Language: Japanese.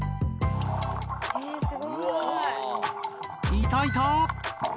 いたいた！